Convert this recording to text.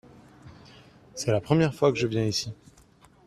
C’est la première fois que je viens ici.